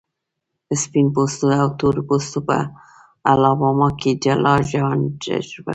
سپین پوستو او تور پوستو په الاباما کې جلا ژوند تجربه کړ.